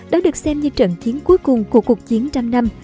đó được xem như trận chiến cuối cùng của cuộc chiến trăm năm